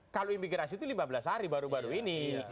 kalau imigrasi itu lima belas hari baru baru ini